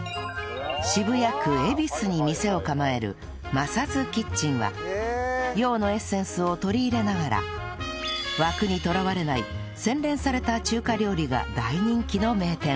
渋谷区恵比寿に店を構える ＭＡＳＡ’ＳＫＩＴＣＨＥＮ は洋のエッセンスを取り入れながら枠にとらわれない洗練された中華料理が大人気の名店